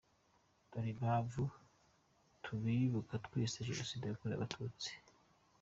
Dore impamvu tubibuka twese, jenoside yarakozwe yateguwe.